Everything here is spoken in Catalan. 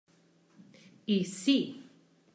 I sí.